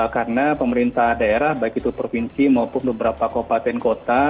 karena pemerintah daerah baik itu provinsi maupun beberapa kopaten kota